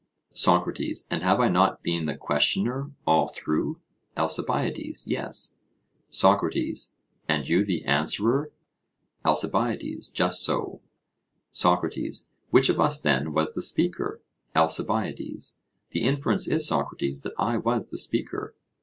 SOCRATES: And have I not been the questioner all through? ALCIBIADES: Yes. SOCRATES: And you the answerer? ALCIBIADES: Just so. SOCRATES: Which of us, then, was the speaker? ALCIBIADES: The inference is, Socrates, that I was the speaker.